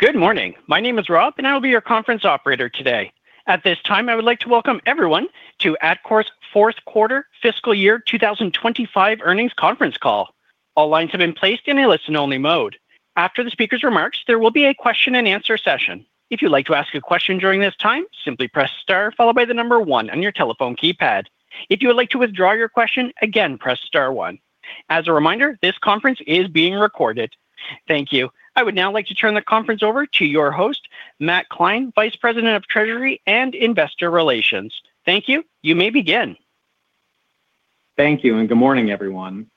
Good morning. My name is Rob, and I will be your Conference operator today. At this time, I would like to welcome everyone to Atkore's fourth quarter fiscal year 2025 earnings conference call. All lines have been placed in a listen-only mode. After the speaker's remarks, there will be a Question-and-Answer session. If you'd like to ask a question during this time, simply press star followed by the number one on your telephone keypad. If you would like to withdraw your question, again, press star one. As a reminder, this conference is being recorded. Thank you. I would now like to turn the conference over to your host, Matthew Kline, Vice President of Treasury and Investor Relations. Thank you. You may begin. Thank you, and good morning, everyone.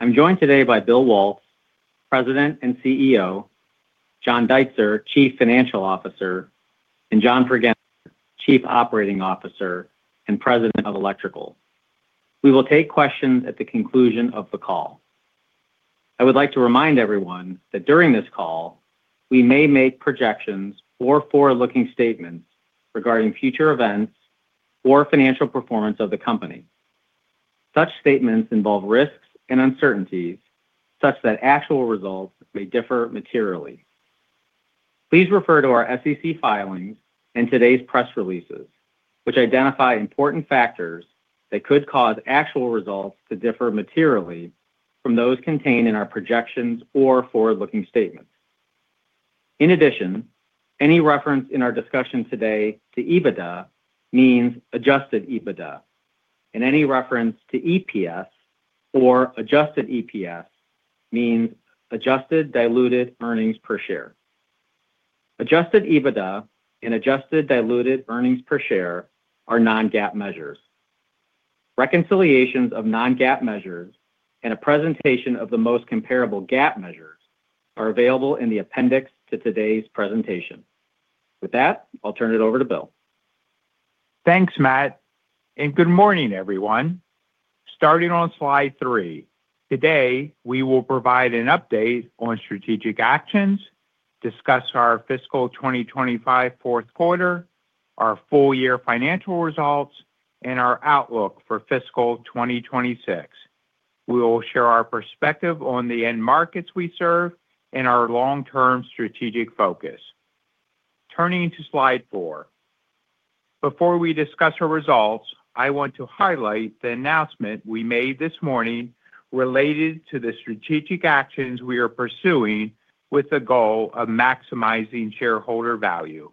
I'm joined today by Bill Waltz, President and CEO; John Deitzer, Chief Financial Officer; and John Pregenzer, Chief Operating Officer and President of Electrical. We will take questions at the conclusion of the call. I would like to remind everyone that during this call, we may make projections or forward-looking statements regarding future events or financial performance of the company. Such statements involve risks and uncertainties such that actual results may differ materially. Please refer to our SEC filings and today's press releases, which identify important factors that could cause actual results to differ materially from those contained in our projections or forward-looking statements. In addition, any reference in our discussion today to EBITDA means adjusted EBITDA, and any reference to EPS or adjusted EPS means adjusted diluted earnings per share. Adjusted EBITDA and adjusted diluted earnings per share are non-GAAP measures. Reconciliations of non-GAAP measures and a presentation of the most comparable GAAP measures are available in the appendix to today's presentation. With that, I'll turn it over to Bill. Thanks, Matthew, and good morning, everyone. Starting on slide three, today we will provide an update on strategic actions, discuss our fiscal 2025 fourth quarter, our full-year financial results, and our outlook for fiscal 2026. We will share our perspective on the end markets we serve and our long-term strategic focus. Turning to slide four, before we discuss our results, I want to highlight the announcement we made this morning related to the strategic actions we are pursuing with the goal of maximizing shareholder value.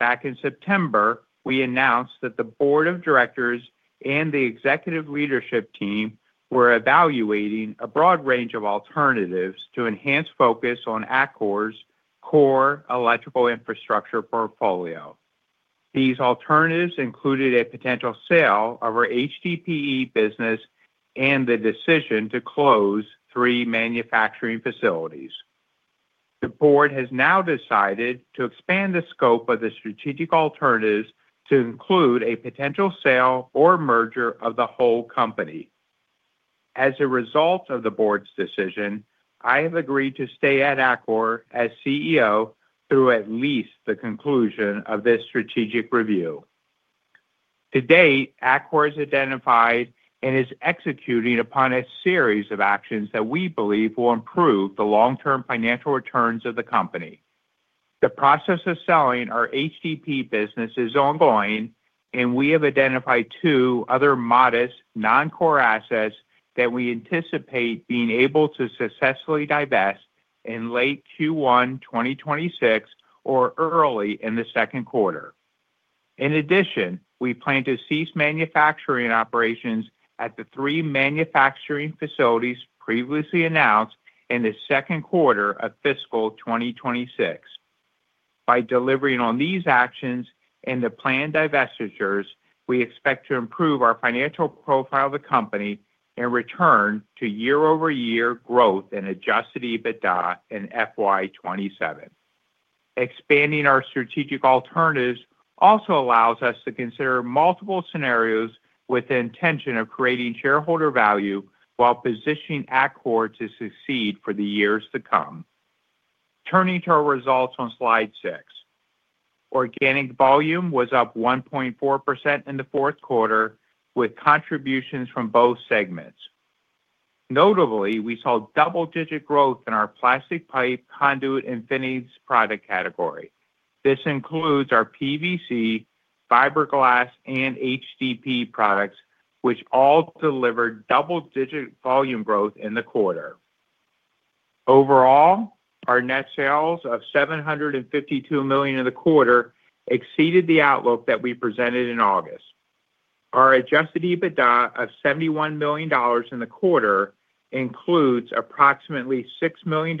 Back in September, we announced that the Board of Directors and the executive leadership team were evaluating a broad range of alternatives to enhance focus on Atkore's core electrical infrastructure portfolio. These alternatives included a potential sale of our HDPE business and the decision to close three manufacturing facilities. The board has now decided to expand the scope of the strategic alternatives to include a potential sale or merger of the whole company. As a result of the board's decision, I have agreed to stay at Atkore as CEO through at least the conclusion of this strategic review. To date, Atkore has identified and is executing upon a series of actions that we believe will improve the long-term financial returns of the company. The process of selling our HDPE business is ongoing, and we have identified two other modest non-core assets that we anticipate being able to successfully divest in late Q1 2026 or early in the second quarter. In addition, we plan to cease manufacturing operations at the three manufacturing facilities previously announced in the second quarter of fiscal 2026. By delivering on these actions and the planned divestitures, we expect to improve our financial profile of the company and return to year-over-year growth and adjusted EBITDA in FY2027. Expanding our strategic alternatives also allows us to consider multiple scenarios with the intention of creating shareholder value while positioning Atkore to succeed for the years to come. Turning to our results on slide six, organic volume was up 1.4% in the fourth quarter with contributions from both segments. Notably, we saw double-digit growth in our plastic pipe conduit and finished product category. This includes our PVC, fiberglass, and HDPE products, which all delivered double-digit volume growth in the quarter. Overall, our net sales of $752 million in the quarter exceeded the outlook that we presented in August. Our adjusted EBITDA of $71 million in the quarter includes approximately $6 million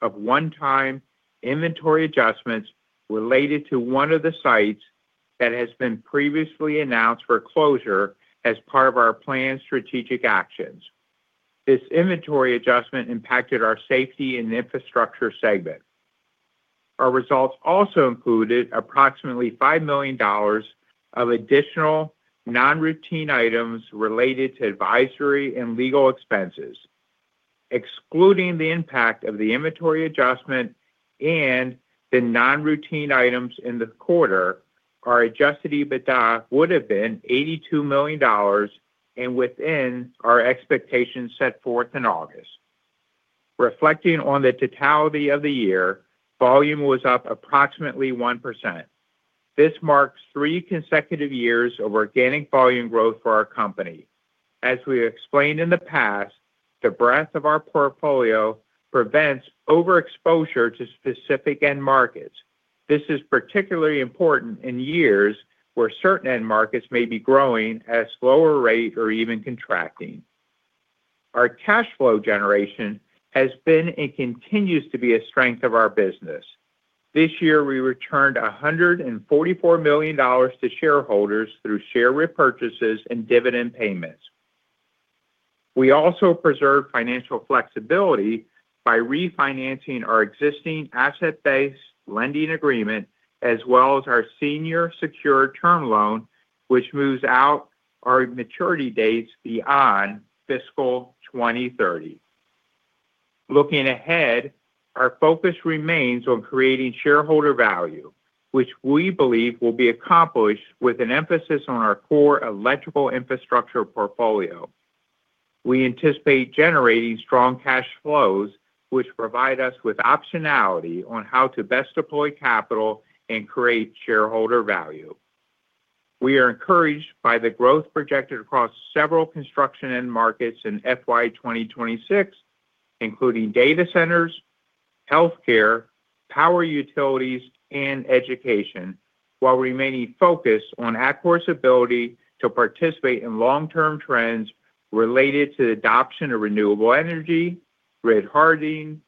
of one-time inventory adjustments related to one of the sites that has been previously announced for closure as part of our planned strategic actions. This inventory adjustment impacted our Safety and Infrastructure segment. Our results also included approximately $5 million of additional non-routine items related to advisory and legal expenses. Excluding the impact of the inventory adjustment and the non-routine items in the quarter, our adjusted EBITDA would have been $82 million and within our expectations set forth in August. Reflecting on the totality of the year, volume was up approximately 1%. This marks three consecutive years of organic volume growth for our company. As we have explained in the past, the breadth of our portfolio prevents overexposure to specific end markets. This is particularly important in years where certain end markets may be growing at a slower rate or even contracting. Our Cash flow generation has been and continues to be a strength of our business. This year, we returned $144 million to shareholders through share repurchases and dividend payments. We also preserved financial flexibility by refinancing our existing asset-based lending agreement as well as our senior secure term loan, which moves out our maturity dates beyond fiscal 2030. Looking ahead, our focus remains on creating shareholder value, which we believe will be accomplished with an emphasis on our core electrical infrastructure portfolio. We anticipate generating strong Cash flows, which provide us with optionality on how to best deploy capital and create shareholder value. We are encouraged by the growth projected across several construction end markets in FY 2026, including data centers, healthcare, power utilities, and education, while remaining focused on Atkore's ability to participate in long-term trends related to the adoption of renewable energy, grid hardening,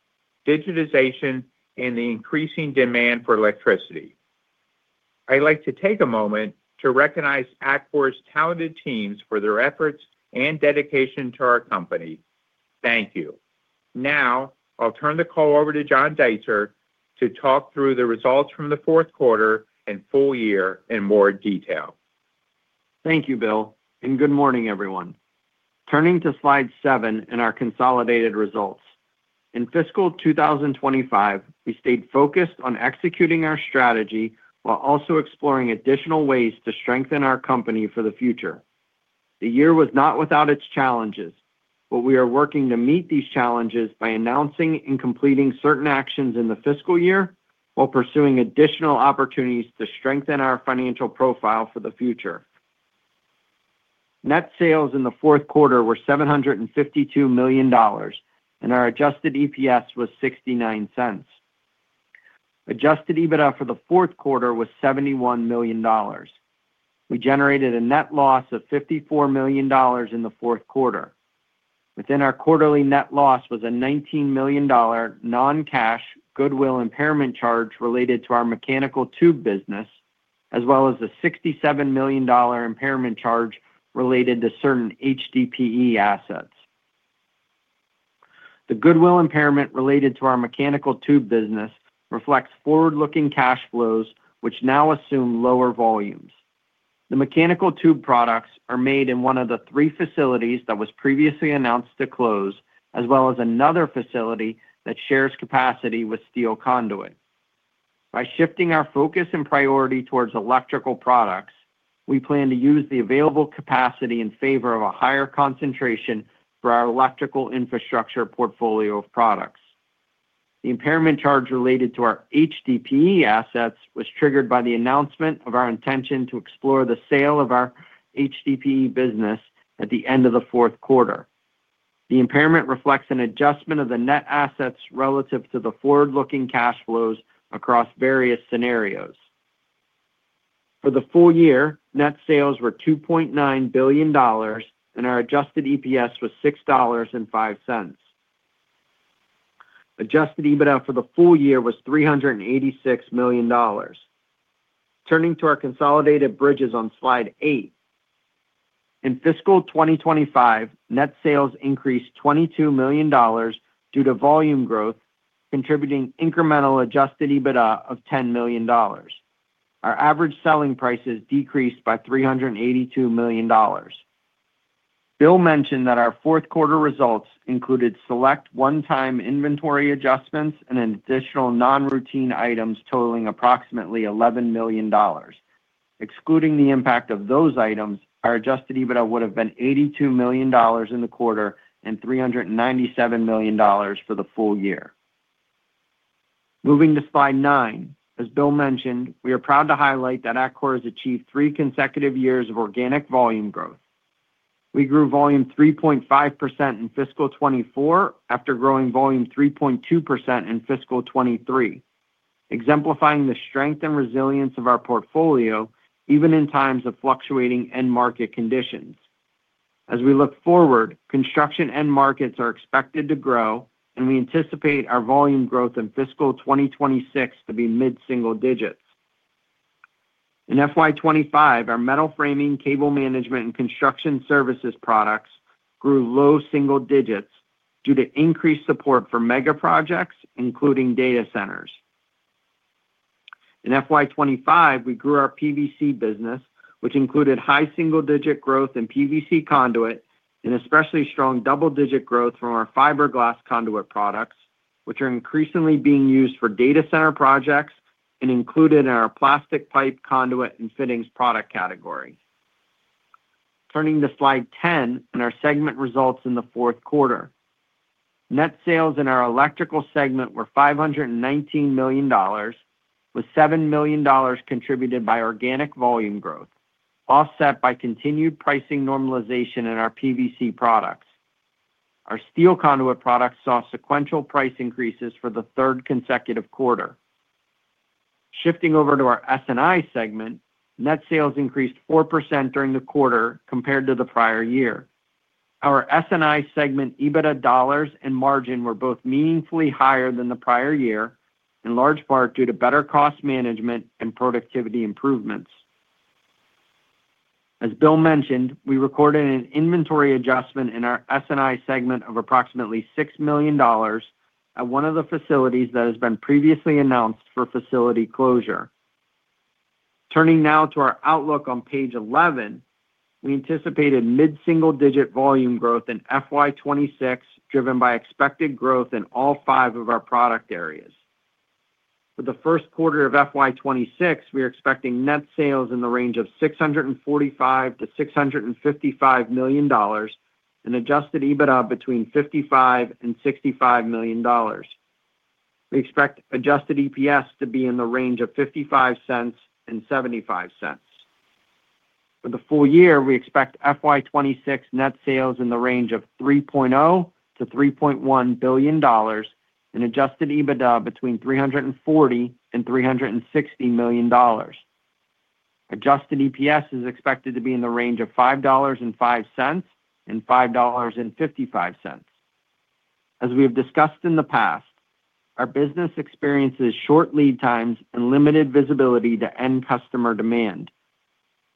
digitization, and the increasing demand for electricity. I'd like to take a moment to recognize Atkore's talented teams for their efforts and dedication to our company. Thank you. Now, I'll turn the call over to John Deitzer to talk through the results from the fourth quarter and full year in more detail. Thank you, Bill, and good morning, everyone. Turning to slide seven in our consolidated results. In fiscal 2025, we stayed focused on executing our strategy while also exploring additional ways to strengthen our company for the future. The year was not without its challenges, but we are working to meet these challenges by announcing and completing certain actions in the fiscal year while pursuing additional opportunities to strengthen our financial profile for the future. Net sales in the fourth quarter were $752 million, and our adjusted EPS was $0.69. Adjusted EBITDA for the fourth quarter was $71 million. We generated a net loss of $54 million in the fourth quarter. Within our quarterly net loss was a $19 million non-cash goodwill impairment charge related to our mechanical tube business, as well as a $67 million impairment charge related to certain HDPE assets. The goodwill impairment related to our mechanical tube business reflects forward-looking Cash flows, which now assume lower volumes. The mechanical tube products are made in one of the three facilities that was previously announced to close, as well as another facility that shares capacity with steel conduit. By shifting our focus and priority towards electrical products, we plan to use the available capacity in favor of a higher concentration for our electrical infrastructure portfolio of products. The impairment charge related to our HDPE assets was triggered by the announcement of our intention to explore the sale of our HDPE business at the end of the fourth quarter. The impairment reflects an adjustment of the net assets relative to the forward-looking Cash flows across various scenarios. For the full year, net sales were $2.9 billion, and our adjusted EPS was $6.05. Adjusted EBITDA for the full year was $386 million. Turning to our consolidated bridges on slide eight, in fiscal 2025, net sales increased $22 million due to volume growth, contributing incremental adjusted EBITDA of $10 million. Our average selling prices decreased by $382 million. Bill mentioned that our fourth quarter results included select one-time inventory adjustments and additional non-routine items totaling approximately $11 million. Excluding the impact of those items, our adjusted EBITDA would have been $82 million in the quarter and $397 million for the full year. Moving to slide nine, as Bill mentioned, we are proud to highlight that Atkore has achieved three consecutive years of organic volume growth. We grew volume 3.5% in fiscal 2024 after growing volume 3.2% in fiscal 2023, exemplifying the strength and resilience of our portfolio even in times of fluctuating end market conditions. As we look forward, construction end markets are expected to grow, and we anticipate our volume growth in fiscal 2026 to be mid-single digits. In FY25, our metal framing, cable management, and construction services products grew low single digits due to increased support for mega projects, including data centers. In FY25, we grew our PVC business, which included high single-digit growth in PVC conduit and especially strong double-digit growth from our fiberglass conduit products, which are increasingly being used for data center projects and included in our plastic pipe conduit and fittings product category. Turning to slide 10 in our segment results in the fourth quarter, net sales in our electrical segment were $519 million, with $7 million contributed by organic volume growth, offset by continued pricing normalization in our PVC products. Our steel conduit products saw sequential price increases for the third consecutive quarter. Shifting over to our S&I segment, net sales increased 4% during the quarter compared to the prior year. Our S&I segment EBITDA dollars and margin were both meaningfully higher than the prior year, in large part due to better cost management and productivity improvements. As Bill mentioned, we recorded an inventory adjustment in our S&I segment of approximately $6 million at one of the facilities that has been previously announced for facility closure. Turning now to our outlook on page 11, we anticipated mid-single digit volume growth in FY2026 driven by expected growth in all five of our product areas. For the first quarter of FY2026, we are expecting net sales in the range of $645-$655 million and adjusted EBITDA between $55-$65 million. We expect adjusted EPS to be in the range of $0.55 and $0.75. For the full year, we expect FY26 net sales in the range of $3.0 billion-$3.1 billion and adjusted EBITDA between $340 million-$360 million. Adjusted EPS is expected to be in the range of $5.05-$5.55. As we have discussed in the past, our business experiences short lead times and limited visibility to end customer demand.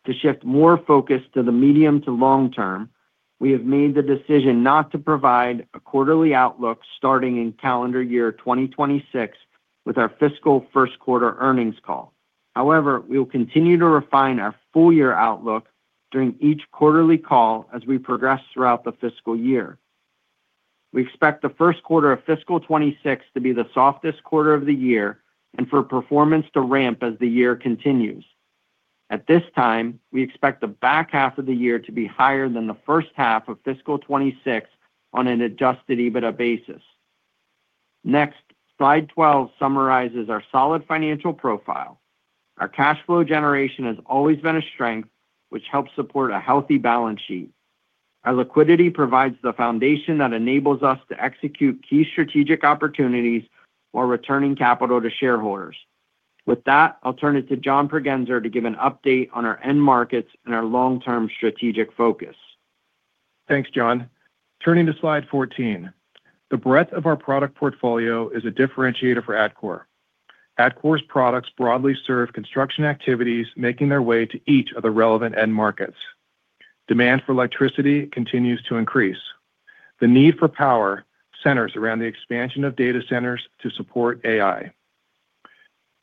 To shift more focus to the medium to long term, we have made the decision not to provide a quarterly outlook starting in calendar year 2026 with our fiscal first quarter earnings call. However, we will continue to refine our full year outlook during each quarterly call as we progress throughout the fiscal year. We expect the first quarter of fiscal 26 to be the softest quarter of the year and for performance to ramp as the year continues. At this time, we expect the back half of the year to be higher than the first half of fiscal 2026 on an adjusted EBITDA basis. Next, slide 12 summarizes our solid financial profile. Our Cash flow generation has always been a strength, which helps support a healthy balance sheet. Our liquidity provides the foundation that enables us to execute key strategic opportunities while returning capital to shareholders. With that, I'll turn it to John Pregenzer to give an update on our end markets and our long-term strategic focus. Thanks, John. Turning to slide 14, the breadth of our product portfolio is a differentiator for Atkore. Atkore's products broadly serve construction activities, making their way to each of the relevant end markets. Demand for electricity continues to increase. The need for power centers around the expansion of data centers to support AI.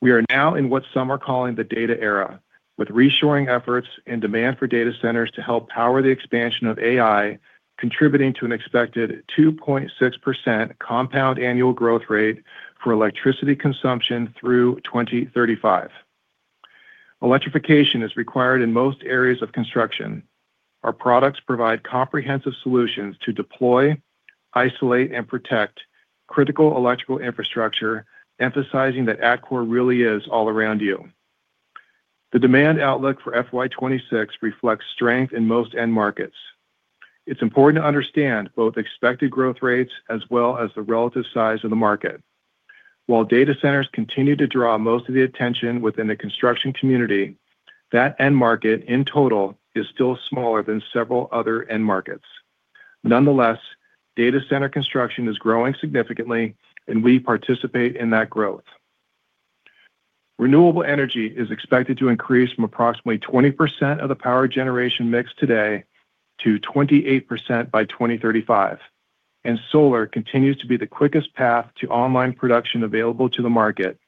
We are now in what some are calling the data era, with reshoring efforts and demand for data centers to help power the expansion of AI contributing to an expected 2.6% compound annual growth rate for electricity consumption through 2035. Electrification is required in most areas of construction. Our products provide comprehensive solutions to deploy, isolate, and protect critical electrical infrastructure, emphasizing that Atkore really is all around you. The demand outlook for FY26 reflects strength in most end markets. It's important to understand both expected growth rates as well as the relative size of the market. While data centers continue to draw most of the attention within the construction community, that end market in total is still smaller than several other end markets. Nonetheless, data center construction is growing significantly, and we participate in that growth. Renewable energy is expected to increase from approximately 20% of the power generation mix today to 28% by 2035. Solar continues to be the quickest path to online production available to the market,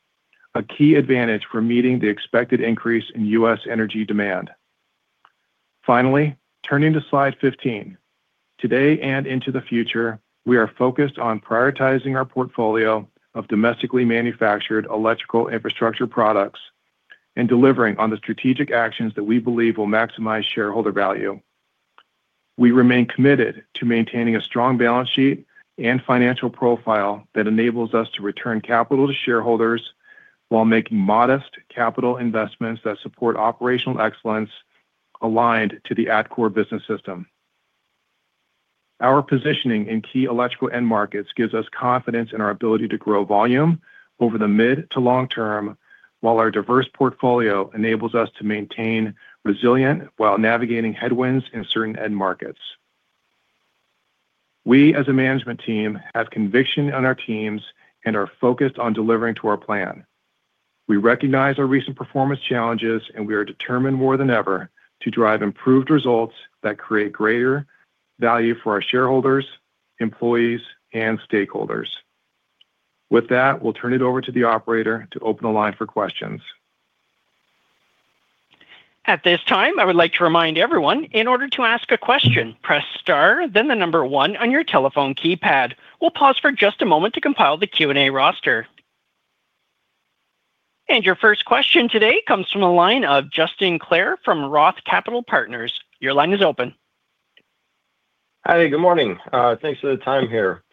a key advantage for meeting the expected increase in U.S. energy demand. Finally, turning to slide 15, today and into the future, we are focused on prioritizing our portfolio of domestically manufactured electrical infrastructure products and delivering on the strategic actions that we believe will maximize shareholder value. We remain committed to maintaining a strong balance sheet and financial profile that enables us to return capital to shareholders while making modest capital investments that support operational excellence aligned to the Atkore business system. Our positioning in key electrical end markets gives us confidence in our ability to grow volume over the mid to long term, while our diverse portfolio enables us to maintain resilience while navigating headwinds in certain end markets. We, as a management team, have conviction on our teams and are focused on delivering to our plan. We recognize our recent performance challenges, and we are determined more than ever to drive improved results that create greater value for our shareholders, employees, and stakeholders. With that, we'll turn it over to the operator to open the line for questions. At this time, I would like to remind everyone, in order to ask a question, press star, then the number one on your telephone keypad. We'll pause for just a moment to compile the Q&A roster. Your first question today comes from the line of Justin Clare from Roth Capital Partners. Your line is open. Hi, good morning. Thanks for the time here.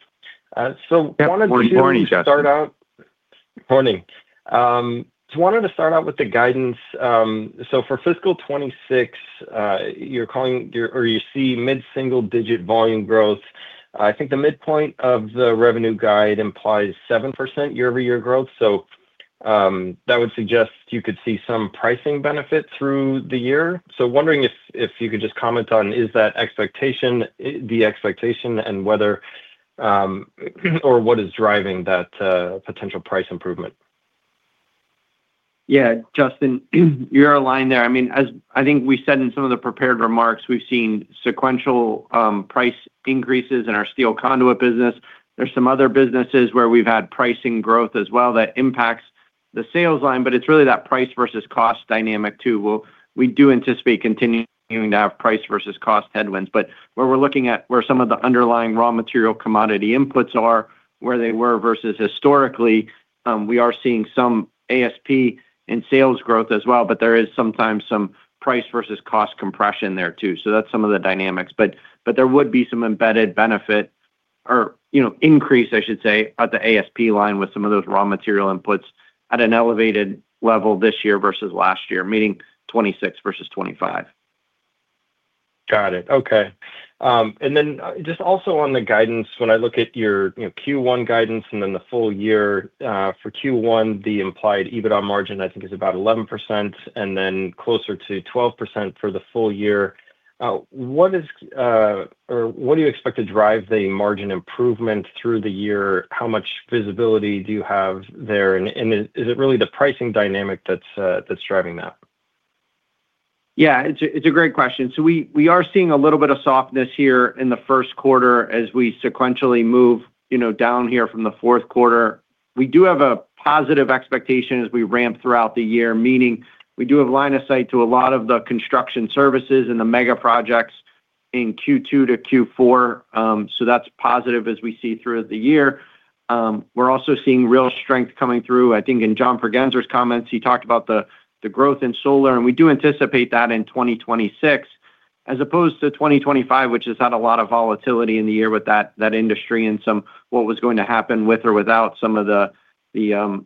I wanted to. Good morning, Justin. Good morning. I wanted to start out with the guidance. For fiscal 2026, you're calling or you see mid-single digit volume growth. I think the midpoint of the revenue guide implies 7% year-over-year growth. That would suggest you could see some pricing benefit through the year. Wondering if you could just comment on, is that expectation the expectation and whether or what is driving that potential price improvement? Yeah, Justin, you're aligned there. I mean, as I think we said in some of the prepared remarks, we've seen sequential price increases in our steel conduit business. There's some other businesses where we've had pricing growth as well that impacts the sales line, but it's really that price versus cost dynamic too. We do anticipate continuing to have price versus cost headwinds. Where we're looking at where some of the underlying raw material commodity inputs are, where they were versus historically, we are seeing some ASP and sales growth as well, but there is sometimes some price versus cost compression there too. That's some of the dynamics. There would be some embedded benefit or increase, I should say, at the ASP line with some of those raw material inputs at an elevated level this year versus last year, meaning 2026 versus 2025. Got it. Okay. Also, on the guidance, when I look at your Q1 guidance and then the full year, for Q1, the implied EBITDA margin, I think, is about 11% and then closer to 12% for the full year. What do you expect to drive the margin improvement through the year? How much visibility do you have there? Is it really the pricing dynamic that's driving that? Yeah, it's a great question. We are seeing a little bit of softness here in the first quarter as we sequentially move down here from the fourth quarter. We do have a positive expectation as we ramp throughout the year, meaning we do have line of sight to a lot of the construction services and the mega projects in Q2 to Q4. That is positive as we see through the year. We're also seeing real strength coming through. I think in John Pregenzer's comments, he talked about the growth in solar, and we do anticipate that in 2026 as opposed to 2025, which has had a lot of volatility in the year with that industry and some what was going to happen with or without some of the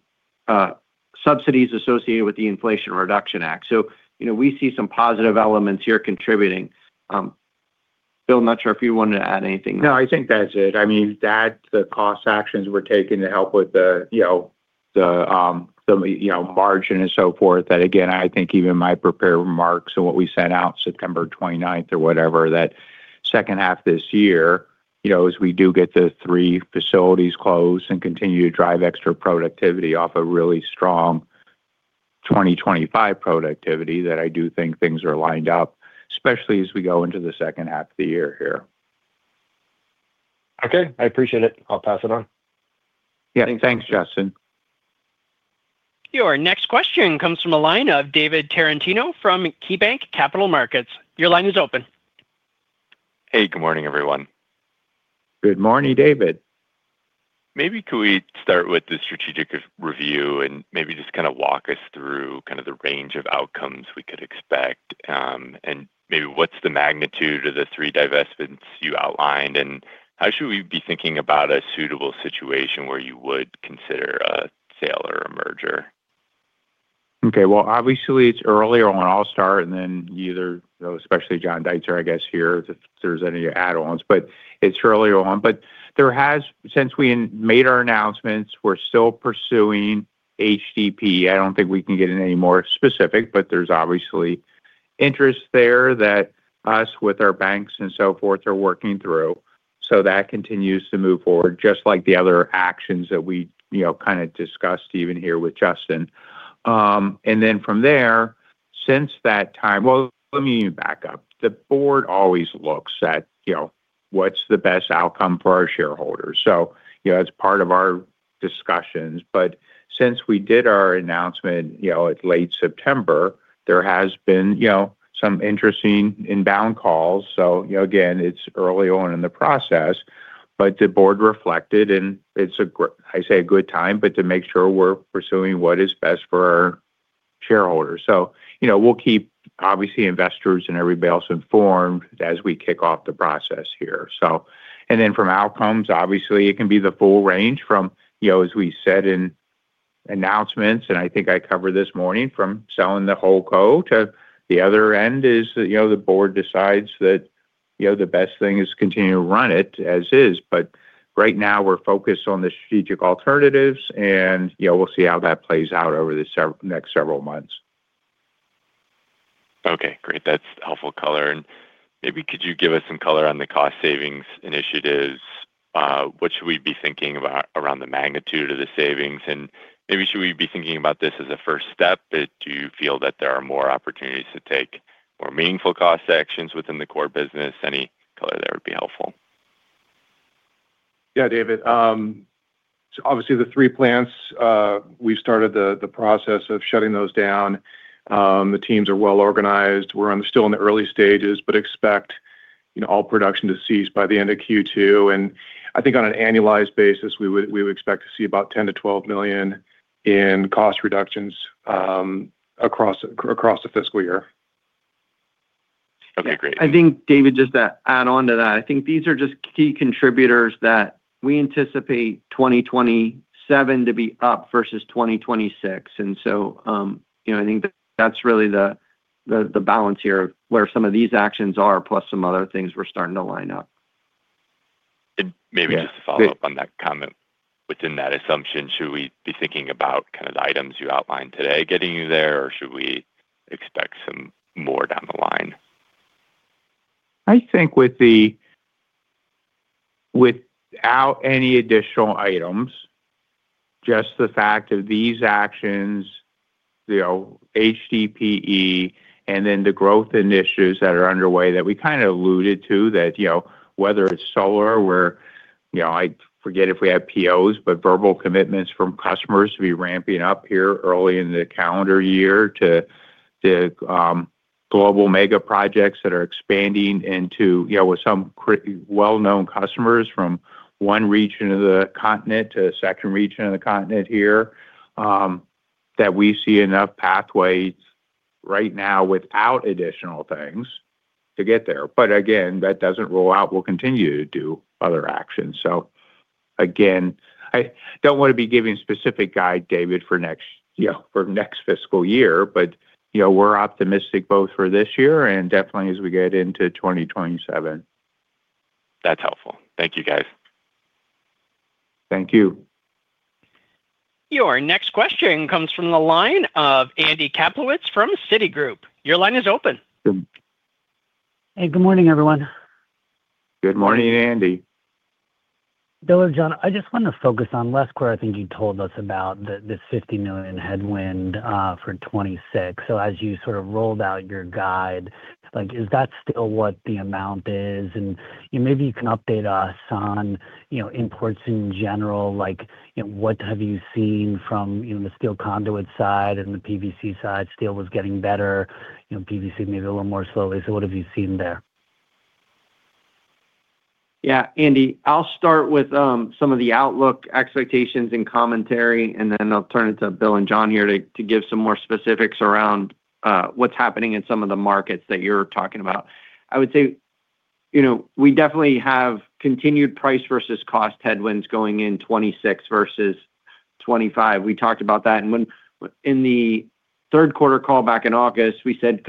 subsidies associated with the Inflation Reduction Act. We see some positive elements here contributing. Bill, I'm not sure if you wanted to add anything. No, I think that's it. I mean, the cost actions we're taking to help with the margin and so forth, that, again, I think even my prepared remarks and what we sent out September 29 or whatever, that second half this year, as we do get the three facilities closed and continue to drive extra productivity off a really strong 2025 productivity, that I do think things are lined up, especially as we go into the second half of the year here. Okay. I appreciate it. I'll pass it on. Yeah. Thanks, Justin. Your next question comes from a line of David Tarantino from KeyBanc Capital Markets. Your line is open. Hey, good morning, everyone. Good morning, David. Maybe could we start with the strategic review and maybe just kind of walk us through kind of the range of outcomes we could expect and maybe what's the magnitude of the three divestments you outlined and how should we be thinking about a suitable situation where you would consider a sale or a merger? Okay. Obviously, it's earlier on. I'll start and then either, especially John Deitzer, I guess, here if there's any add-ons, but it's earlier on. Since we made our announcements, we're still pursuing HDPE. I don't think we can get any more specific, but there's obviously interest there that us with our banks and so forth are working through. That continues to move forward, just like the other actions that we kind of discussed even here with Justin. From there, since that time, let me back up. The board always looks at what's the best outcome for our shareholders. That's part of our discussions. Since we did our announcement at late September, there have been some interesting inbound calls. Again, it's early on in the process, but the board reflected, and I say a good time, to make sure we're pursuing what is best for our shareholders. We'll keep, obviously, investors and everybody else informed as we kick off the process here. From outcomes, obviously, it can be the full range from, as we said in announcements, and I think I covered this morning, from selling the whole co to the other end where the board decides that the best thing is to continue to run it as is. Right now, we're focused on the strategic alternatives, and we'll see how that plays out over the next several months. Okay. Great. That's helpful color. Maybe could you give us some color on the cost savings initiatives? What should we be thinking about around the magnitude of the savings? Maybe should we be thinking about this as a first step? Do you feel that there are more opportunities to take more meaningful cost actions within the core business? Any color there would be helpful. Yeah, David. Obviously, the three plants, we've started the process of shutting those down. The teams are well organized. We're still in the early stages, but expect all production to cease by the end of Q2. I think on an annualized basis, we would expect to see about $10 million-$12 million in cost reductions across the fiscal year. Okay. Great. I think, David, just to add on to that, I think these are just key contributors that we anticipate 2027 to be up versus 2026. I think that's really the balance here of where some of these actions are, plus some other things we're starting to line up. Maybe just to follow up on that comment, within that assumption, should we be thinking about kind of the items you outlined today getting you there, or should we expect some more down the line? I think without any additional items, just the fact of these actions, HDPE, and then the growth initiatives that are underway that we kind of alluded to, that whether it's solar, where I forget if we have POs, but verbal commitments from customers to be ramping up here early in the calendar year to global mega projects that are expanding into with some well-known customers from one region of the continent to a second region of the continent here, that we see enough pathways right now without additional things to get there. Again, that does not rule out we will continue to do other actions. Again, I do not want to be giving specific guide, David, for next fiscal year, but we are optimistic both for this year and definitely as we get into 2027. That's helpful. Thank you, guys. Thank you. Your next question comes from the line of Andrew Kaplowitz from Citigroup. Your line is open. Hey, good morning, everyone. Good morning, Andrew. Bill and John, I just want to focus on less where I think you told us about this $50 million headwind for 2026. As you sort of rolled out your guide, is that still what the amount is? Maybe you can update us on imports in general, like what have you seen from the steel conduit side and the PVC side? Steel was getting better. PVC maybe a little more slowly. What have you seen there? Yeah, Andrew, I'll start with some of the outlook expectations and commentary, and then I'll turn it to Bill and John here to give some more specifics around what's happening in some of the markets that you're talking about. I would say we definitely have continued price versus cost headwinds going in 2026 versus 2025. We talked about that. In the third quarter call back in August, we said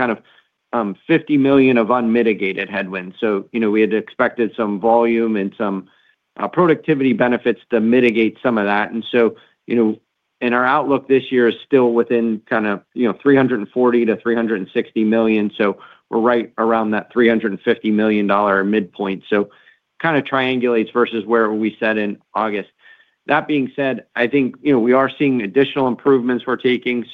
kind of $50 million of unmitigated headwinds. We had expected some volume and some productivity benefits to mitigate some of that. In our outlook this year, it is still within kind of $340 million-$360 million. We're right around that $350 million midpoint. That kind of triangulates versus where we said in August. That being said, I think we are seeing additional improvements we're taking.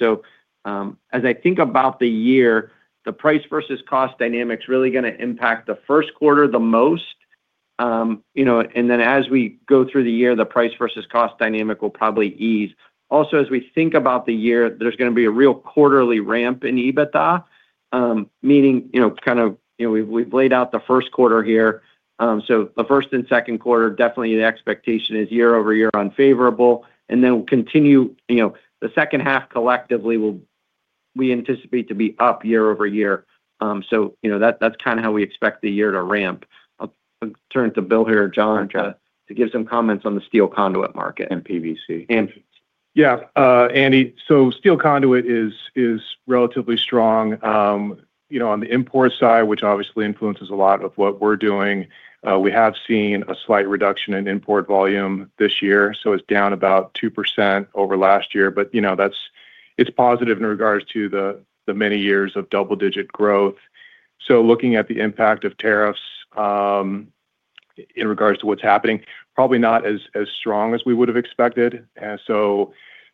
As I think about the year, the price versus cost dynamic's really going to impact the first quarter the most. As we go through the year, the price versus cost dynamic will probably ease. Also, as we think about the year, there's going to be a real quarterly ramp in EBITDA, meaning kind of we've laid out the first quarter here. The first and second quarter, definitely the expectation is year-over-year unfavorable. We will continue, and the second half collectively, we anticipate to be up year-over-year. That's kind of how we expect the year to ramp. I'll turn it to Bill here or John to give some comments on the steel conduit market. And PVC. Yeah, Andy, so steel conduit is relatively strong on the import side, which obviously influences a lot of what we're doing. We have seen a slight reduction in import volume this year. It's down about 2% over last year. It's positive in regards to the many years of double-digit growth. Looking at the impact of tariffs in regards to what's happening, probably not as strong as we would have expected.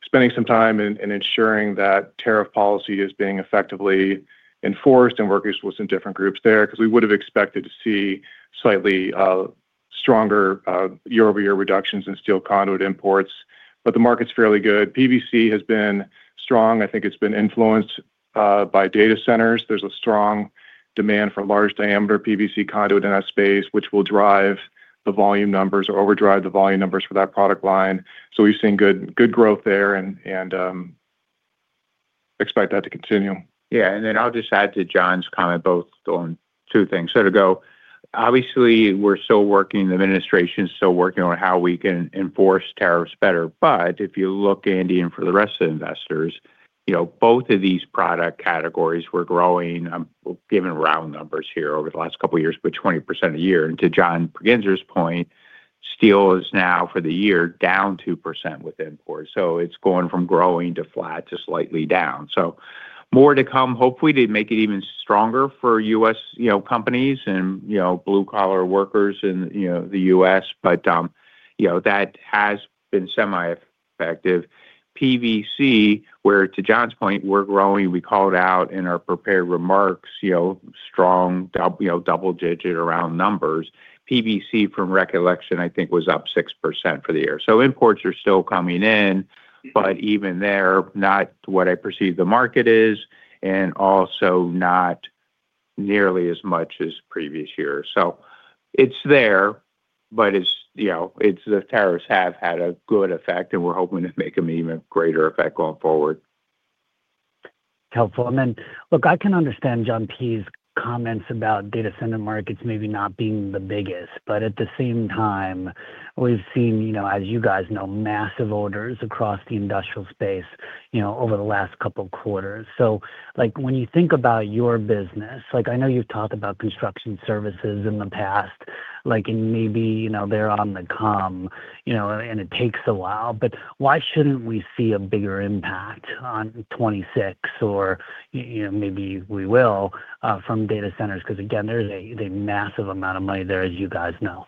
Spending some time and ensuring that tariff policy is being effectively enforced and working with some different groups there because we would have expected to see slightly stronger year-over-year reductions in steel conduit imports. The market's fairly good. PVC has been strong. I think it's been influenced by data centers. is a strong demand for large diameter PVC conduit in that space, which will drive the volume numbers or overdrive the volume numbers for that product line. We have seen good growth there and expect that to continue. Yeah. I'll just add to John's comment both on two things. To go, obviously, we're still working, the administration's still working on how we can enforce tariffs better. If you look, Andy, and for the rest of the investors, both of these product categories were growing. I'm giving round numbers here over the last couple of years, but 20% a year. To John Pregenzer's point, steel is now for the year down 2% with imports. It's going from growing to flat to slightly down. More to come, hopefully, to make it even stronger for U.S. companies and blue-collar workers in the U.S. That has been semi-effective. PVC, where to John's point, we're growing. We called out in our prepared remarks, strong double-digit around numbers. PVC, from recollection, I think was up 6% for the year. Imports are still coming in, but even there, not what I perceive the market is, and also not nearly as much as previous year. It is there, but the tariffs have had a good effect, and we're hoping to make them even greater effect going forward. Helpful. I can understand John P's comments about data center markets maybe not being the biggest. At the same time, we've seen, as you guys know, massive orders across the industrial space over the last couple of quarters. When you think about your business, I know you've talked about construction services in the past, and maybe they're on the come, and it takes a while. Why shouldn't we see a bigger impact on 2026, or maybe we will from data centers? Again, there's a massive amount of money there, as you guys know.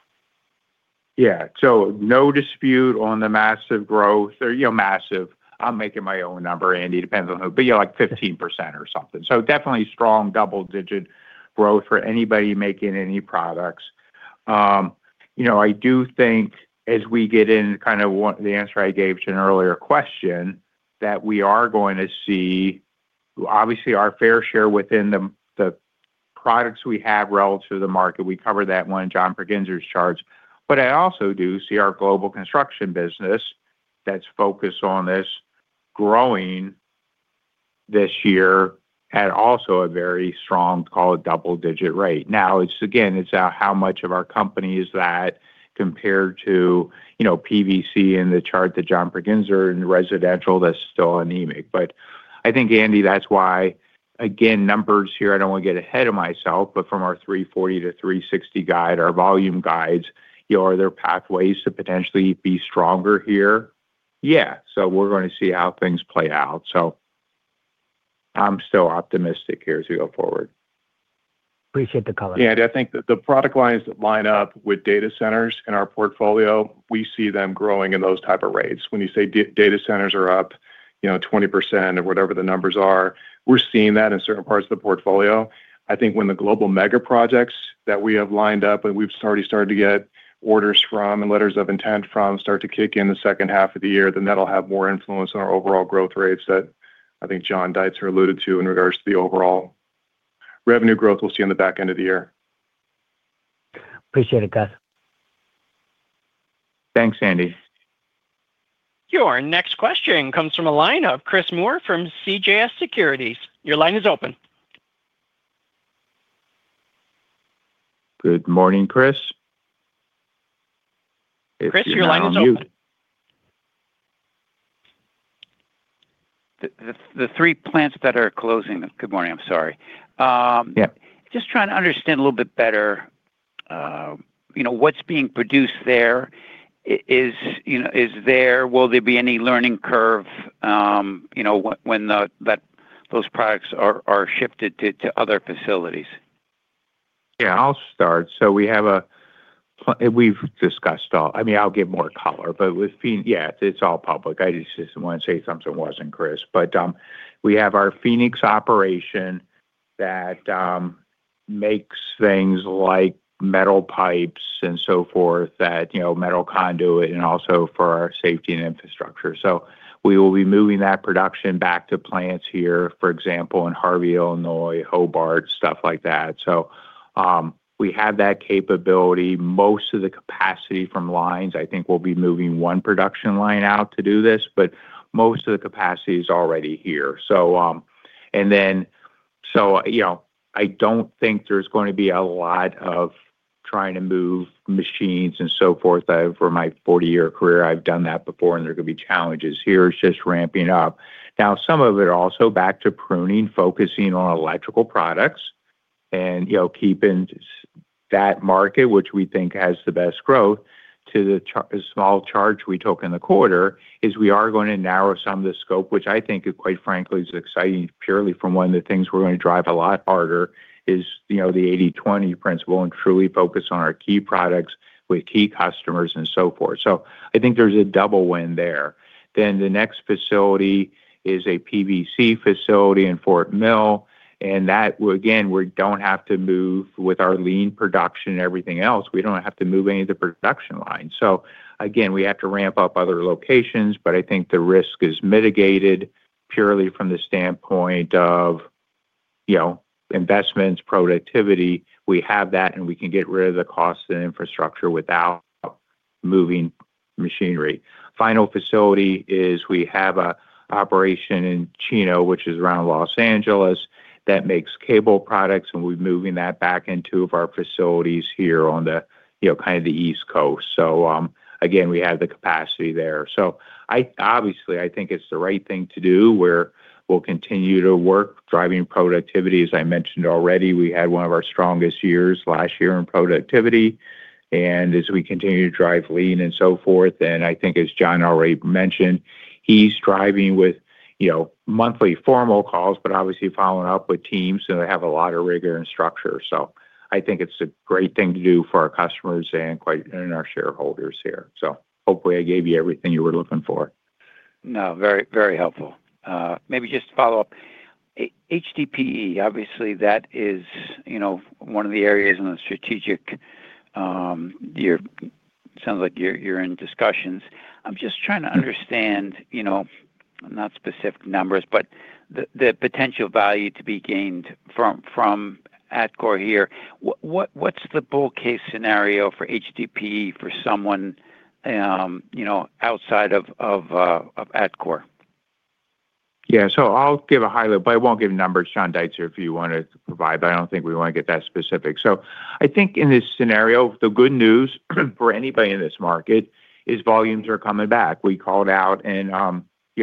Yeah. No dispute on the massive growth or massive. I'm making my own number, Andy. It depends on who. Yeah, like 15% or something. Definitely strong double-digit growth for anybody making any products. I do think, as we get in kind of the answer I gave to an earlier question, that we are going to see, obviously, our fair share within the products we have relative to the market. We covered that one in John Pregenzer's charts. I also do see our global construction business that's focused on this growing this year at also a very strong, call it double-digit rate. Again, it's how much of our companies that compared to PVC in the chart that John Pregenzer and residential that's still anemic. I think, Andrew, that's why, again, numbers here, I don't want to get ahead of myself, but from our $340-$360 guide, our volume guides, are there pathways to potentially be stronger here? Yeah. We're going to see how things play out. I'm still optimistic here as we go forward. Appreciate the color. Yeah. I think the product lines that line up with data centers in our portfolio, we see them growing in those type of rates. When you say data centers are up 20% or whatever the numbers are, we're seeing that in certain parts of the portfolio. I think when the global mega projects that we have lined up and we've already started to get orders from and letters of intent from start to kick in the second half of the year, that will have more influence on our overall growth rates that I think John Deitzer alluded to in regards to the overall revenue growth we'll see in the back end of the year. Appreciate it, guys. Thanks, Andrew. Your next question comes from a line of Chris Moore from CJS Securities. Your line is open. Good morning, Chris. Chris, your line is open. The three plants that are closing, good morning. I'm sorry. Just trying to understand a little bit better what's being produced there. Is there, will there be any learning curve when those products are shifted to other facilities? Yeah. I'll start. We have discussed all—I mean, I'll give more color. Yeah, it's all public. I just want to say something to Washington, Chris. We have our Phoenix operation that makes things like metal pipes and so forth, that metal conduit, and also for our safety and infrastructure. We will be moving that production back to plants here, for example, in Harvey, Illinois, Hobart, stuff like that. We have that capability. Most of the capacity from lines, I think we'll be moving one production line out to do this, but most of the capacity is already here. I don't think there's going to be a lot of trying to move machines and so forth. For my 40-year career, I've done that before, and there could be challenges. Here it's just ramping up. Now, some of it also back to pruning, focusing on electrical products and keeping that market, which we think has the best growth, to the small charge we took in the quarter is we are going to narrow some of the scope, which I think, quite frankly, is exciting purely from one of the things we're going to drive a lot harder is the 80/20 principle and truly focus on our key products with key customers and so forth. I think there's a double win there. The next facility is a PVC facility in Fort Mill. That, again, we don't have to move with our lean production and everything else. We don't have to move any of the production lines. We have to ramp up other locations, but I think the risk is mitigated purely from the standpoint of investments, productivity. We have that, and we can get rid of the cost and infrastructure without moving machinery. The final facility is we have an operation in Chino, which is around Los Angeles, that makes cable products, and we're moving that back into our facilities here on kind of the East Coast. We have the capacity there. I think it's the right thing to do where we'll continue to work, driving productivity. As I mentioned already, we had one of our strongest years last year in productivity. As we continue to drive lean and so forth, and I think, as John already mentioned, he's driving with monthly formal calls, but obviously following up with teams, and they have a lot of rigor and structure. I think it's a great thing to do for our customers and our shareholders here. Hopefully, I gave you everything you were looking for. No, very helpful. Maybe just to follow up, HDPE, obviously, that is one of the areas in the strategic—sounds like you're in discussions. I'm just trying to understand not specific numbers, but the potential value to be gained from Atkore here. What's the bull case scenario for HDPE for someone outside of Atkore? Yeah. I'll give a highlight, but I won't give numbers. John Deitzer, if you want to provide, but I don't think we want to get that specific. I think in this scenario, the good news for anybody in this market is volumes are coming back. We called out in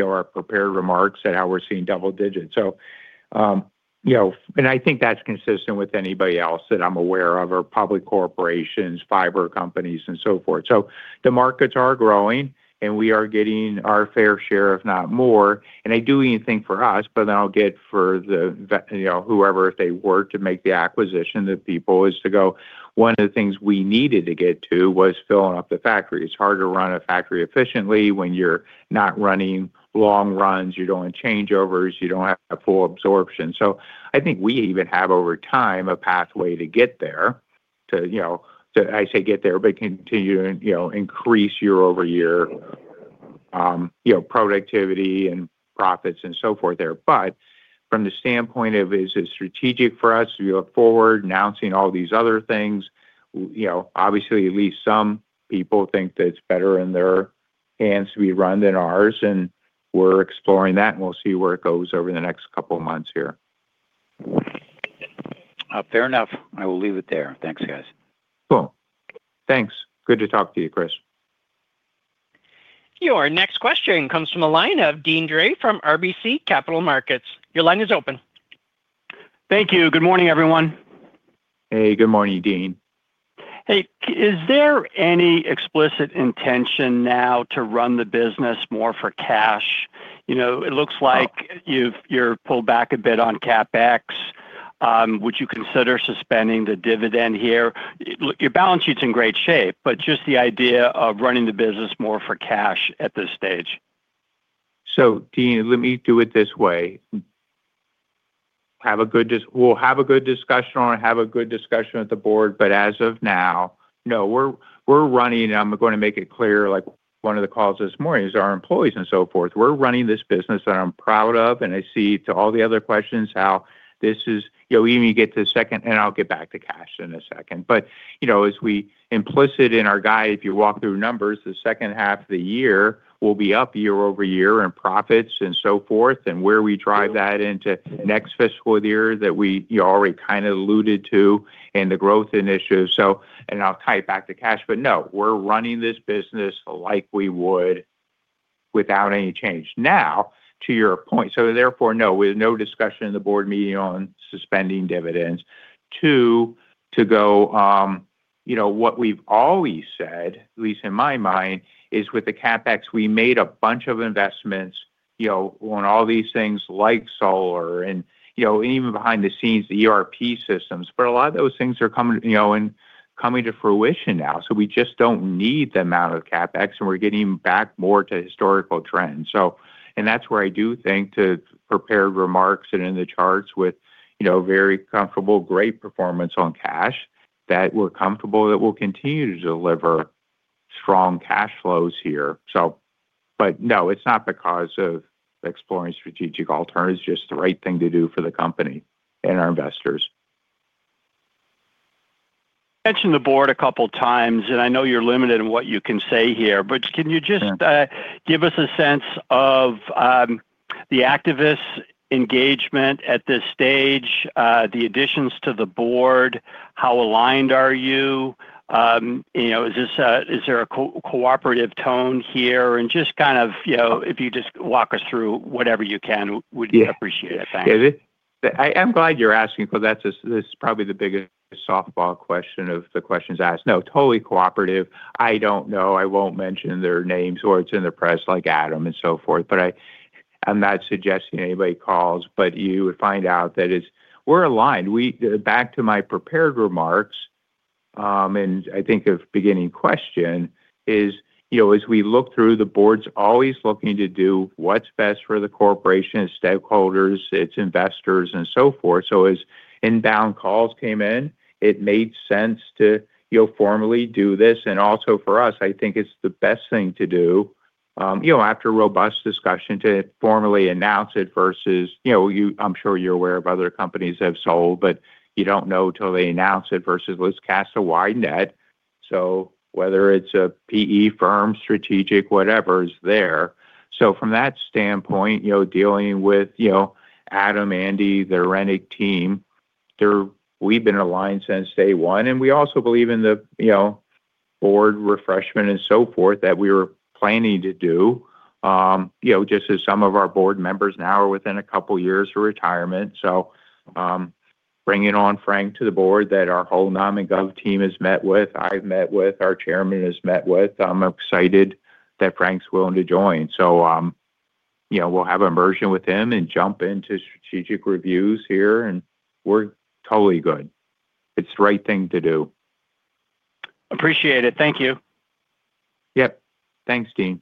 our prepared remarks how we're seeing double digits. I think that's consistent with anybody else that I'm aware of or public corporations, fiber companies, and so forth. The markets are growing, and we are getting our fair share, if not more. I do anything for us, but then I'll get for whoever they were to make the acquisition, the people is to go, one of the things we needed to get to was filling up the factory. It's hard to run a factory efficiently when you're not running long runs. You don't want changeovers. You do not have full absorption. I think we even have, over time, a pathway to get there to—I say get there, but continue to increase year-over-year productivity and profits and so forth there. From the standpoint of, is it strategic for us to go forward, announcing all these other things? Obviously, at least some people think that it is better in their hands to be run than ours. We are exploring that, and we will see where it goes over the next couple of months here. Fair enough. I will leave it there. Thanks, guys. Cool. Thanks. Good to talk to you, Chris. Your next question comes from a line of Deane Dray from RBC Capital Markets. Your line is open. Thank you. Good morning, everyone. Hey. Good morning, Deane. Hey. Is there any explicit intention now to run the business more for cash? It looks like you're pulled back a bit on CapEx. Would you consider suspending the dividend here? Your balance sheet's in great shape, but just the idea of running the business more for cash at this stage. Deane, let me do it this way. We'll have a good discussion on it. Have a good discussion with the board. As of now, no, we're running—and I'm going to make it clear—one of the calls this morning is our employees and so forth. We're running this business that I'm proud of. I see, to all the other questions, how this is—even you get to the second, and I'll get back to cash in a second. As we implicit in our guide, if you walk through numbers, the second half of the year will be up year-over-year in profits and so forth. Where we drive that into next fiscal year that we already kind of alluded to in the growth initiative. I'll tie it back to cash. No, we're running this business like we would without any change. Now, to your point, so therefore, no, with no discussion in the board meeting on suspending dividends. Two, to go what we've always said, at least in my mind, is with the CapEx, we made a bunch of investments on all these things like solar and even behind the scenes, the ERP systems. A lot of those things are coming to fruition now. We just don't need the amount of CapEx, and we're getting back more to historical trends. That's where I do think, to prepared remarks and in the charts with very comfortable, great performance on cash, that we're comfortable that we'll continue to deliver strong cash flows here. No, it's not because of exploring strategic alternatives. It's just the right thing to do for the company and our investors. You mentioned the board a couple of times, and I know you're limited in what you can say here. Can you just give us a sense of the activist engagement at this stage, the additions to the board? How aligned are you? Is there a cooperative tone here? If you just walk us through whatever you can, we'd appreciate it. Thanks. I am glad you're asking because that's probably the biggest softball question of the questions asked. No, totally cooperative. I don't know. I won't mention their names or it's in the press like Adam and so forth. But I'm not suggesting anybody calls. You would find out that we're aligned. Back to my prepared remarks, and I think the beginning question is, as we look through, the board's always looking to do what's best for the corporation, its stakeholders, its investors, and so forth. As inbound calls came in, it made sense to formally do this. Also for us, I think it's the best thing to do after a robust discussion to formally announce it versus I'm sure you're aware of other companies that have sold, but you don't know until they announce it versus let's cast a wide net. Whether it's a PE firm, strategic, whatever is there. From that standpoint, dealing with Adam, Andy, the Rennick team, we've been aligned since day one. We also believe in the board refreshment and so forth that we were planning to do just as some of our board members now are within a couple of years of retirement. Bringing on Frank to the board that our whole nom and gov team has met with, I've met with, our chairman has met with, I'm excited that Frank's willing to join. We'll have immersion with him and jump into strategic reviews here. We're totally good. It's the right thing to do. Appreciate it. Thank you. Yep. Thanks, Deane.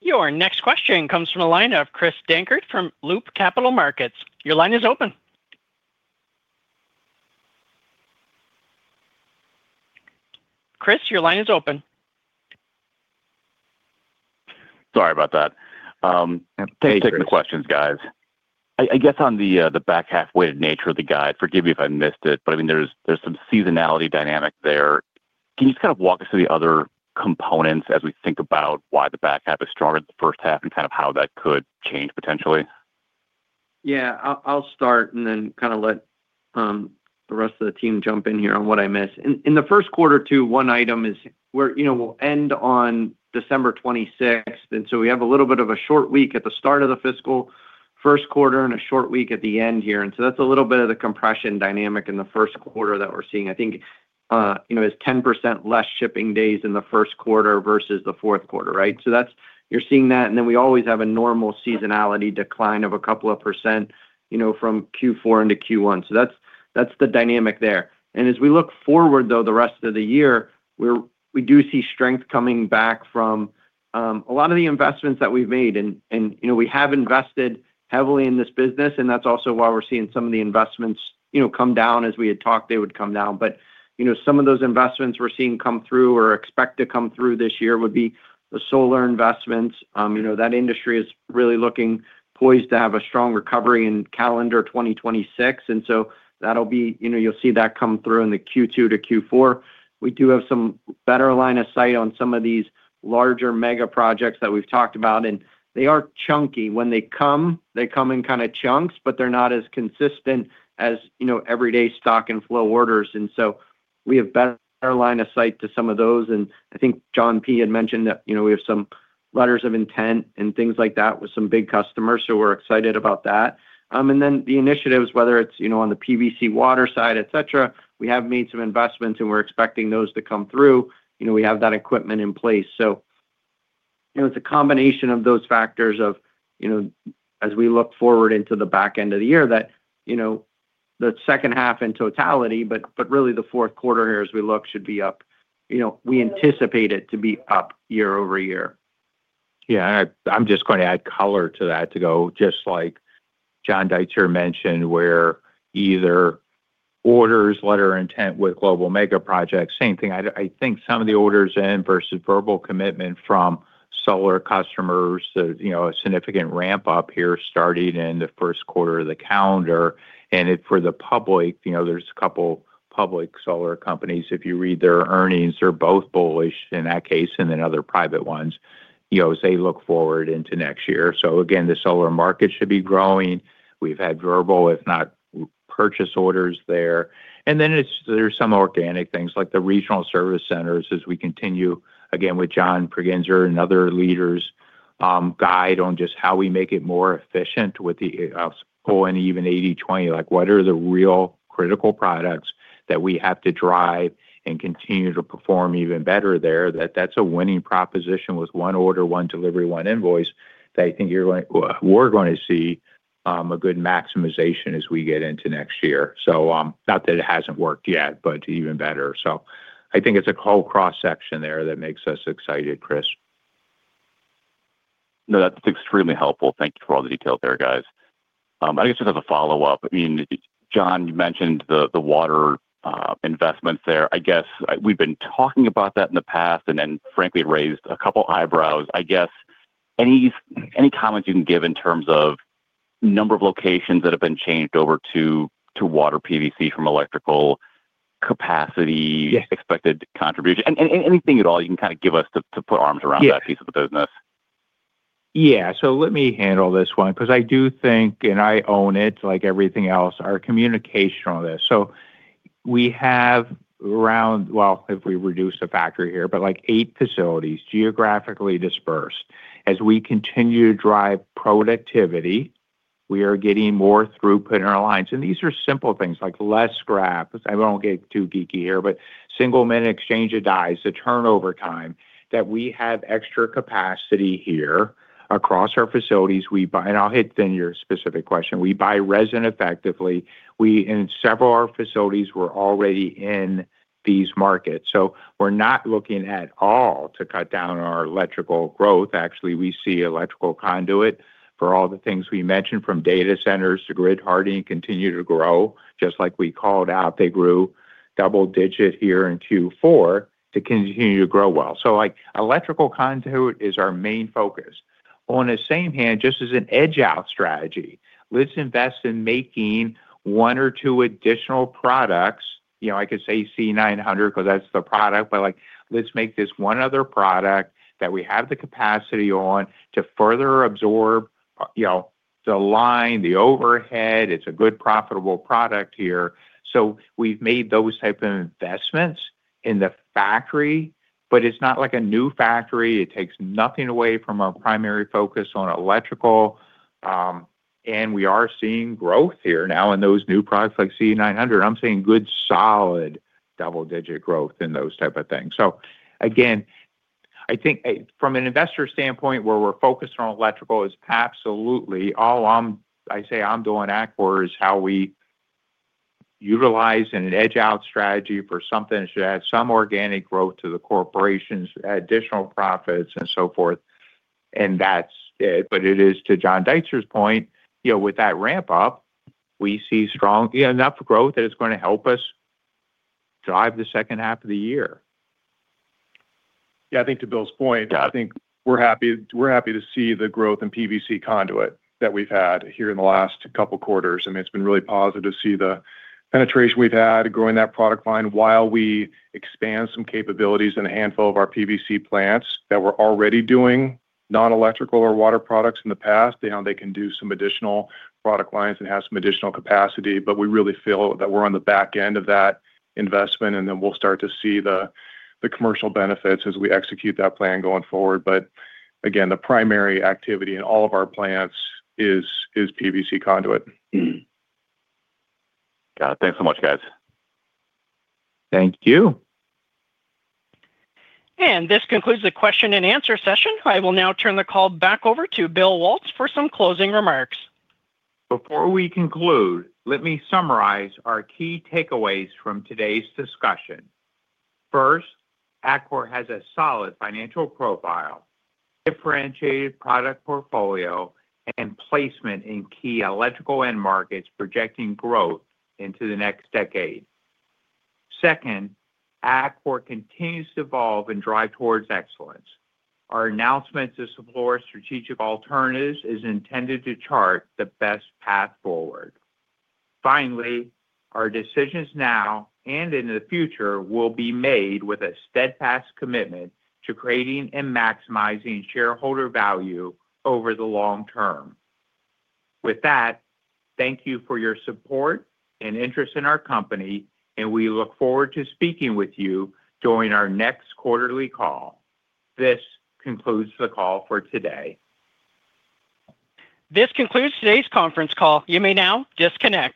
Your next question comes from a line of Chris Dankert from Loop Capital Markets. Your line is open. Chris, your line is open. Sorry about that. Take the questions, guys. I guess on the back half way to nature of the guide, forgive me if I missed it, but I mean, there's some seasonality dynamic there. Can you just kind of walk us through the other components as we think about why the back half is stronger than the first half and kind of how that could change potentially? Yeah. I'll start and then kind of let the rest of the team jump in here on what I miss. In the first quarter too, one item is we'll end on December 26th. We have a little bit of a short week at the start of the fiscal first quarter and a short week at the end here. That's a little bit of the compression dynamic in the first quarter that we're seeing. I think it's 10% less shipping days in the first quarter versus the fourth quarter, right? You're seeing that. We always have a normal seasonality decline of a couple of percent from Q4 into Q1. That's the dynamic there. As we look forward, though, the rest of the year, we do see strength coming back from a lot of the investments that we've made. We have invested heavily in this business, and that's also why we're seeing some of the investments come down. As we had talked, they would come down. Some of those investments we're seeing come through or expect to come through this year would be the solar investments. That industry is really looking poised to have a strong recovery in calendar 2026. That will be, you'll see that come through in the Q2 to Q4. We do have some better line of sight on some of these larger mega projects that we've talked about. They are chunky. When they come, they come in kind of chunks, but they're not as consistent as everyday stock and flow orders. We have better line of sight to some of those. I think John P. had mentioned that we have some letters of intent and things like that with some big customers. We are excited about that. The initiatives, whether it is on the PVC water side, etc., we have made some investments, and we are expecting those to come through. We have that equipment in place. It is a combination of those factors as we look forward into the back end of the year that the second half in totality, but really the fourth quarter here as we look, should be up. We anticipate it to be up year-over-year. Yeah. I am just going to add color to that to go just like John Deitzer mentioned where either orders, letter of intent with global mega projects, same thing. I think some of the orders in versus verbal commitment from solar customers, a significant ramp-up here starting in the first quarter of the calendar. For the public, there's a couple of public solar companies. If you read their earnings, they're both bullish in that case and then other private ones as they look forward into next year. The solar market should be growing. We've had verbal, if not purchase orders there. There are some organic things like the regional service centers as we continue, again, with John Pregenzer and other leaders' guide on just how we make it more efficient with the whole and even 80/20. What are the real critical products that we have to drive and continue to perform even better there? That's a winning proposition with one order, one delivery, one invoice that I think we're going to see a good maximization as we get into next year. Not that it hasn't worked yet, but even better. I think it's a whole cross-section there that makes us excited, Chris. No, that's extremely helpful. Thank you for all the details there, guys. I guess just as a follow-up, I mean, John, you mentioned the water investments there. I guess we've been talking about that in the past and then, frankly, raised a couple of eyebrows. I guess any comments you can give in terms of number of locations that have been changed over to water PVC from electrical capacity, expected contribution, and anything at all you can kind of give us to put arms around that piece of the business? Yeah. Let me handle this one because I do think, and I own it like everything else, our communication on this. We have around, if we reduce the factory here, but like eight facilities geographically dispersed. As we continue to drive productivity, we are getting more throughput in our lines. These are simple things like less scrap. I won't get too geeky here, but single minute exchange of dies, the turnover time that we have extra capacity here across our facilities. I'll hit then your specific question. We buy resin effectively. In several of our facilities, we're already in these markets. We're not looking at all to cut down on our electrical growth. Actually, we see electrical conduit for all the things we mentioned from data centers to grid hardening continue to grow just like we called out. They grew double-digit here in Q4 to continue to grow well. Electrical conduit is our main focus. On the same hand, just as an edge-out strategy, let's invest in making one or two additional products. I could say C900 because that's the product, but let's make this one other product that we have the capacity on to further absorb the line, the overhead. It's a good profitable product here. We have made those type of investments in the factory, but it's not like a new factory. It takes nothing away from our primary focus on electrical. We are seeing growth here now in those new products like C900. I'm seeing good solid double-digit growth in those type of things. I think from an investor standpoint, where we're focused on electrical is absolutely all I say I'm doing acquis is how we utilize an edge-out strategy for something that should add some organic growth to the corporations, additional profits, and so forth. And that's it. It is to John Deitzer's point, with that ramp-up, we see enough growth that it's going to help us drive the second half of the year. Yeah. I think to Bill's point, I think we're happy to see the growth in PVC conduit that we've had here in the last couple of quarters. I mean, it's been really positive to see the penetration we've had growing that product line while we expand some capabilities in a handful of our PVC plants that were already doing non-electrical or water products in the past. They can do some additional product lines and have some additional capacity. We really feel that we're on the back end of that investment, and then we'll start to see the commercial benefits as we execute that plan going forward. Again, Qhe primary activity in all of our plants is PVC conduit. Got it. Thanks so much, guys. Thank you. This concludes the Question and Answer session. I will now turn the call back over to Bill Waltz for some closing remarks. Before we conclude, let me summarize our key takeaways from today's discussion. First, Atkore has a solid financial profile, differentiated product portfolio, and placement in key electrical end markets projecting growth into the next decade. Second, Atkore continues to evolve and drive towards excellence. Our announcement to support strategic alternatives is intended to chart the best path forward. Finally, our decisions now and in the future will be made with a steadfast commitment to creating and maximizing shareholder value over the long term. With that, thank you for your support and interest in our company, and we look forward to speaking with you during our next quarterly call. This concludes the call for today. This concludes today's conference call. You may now disconnect.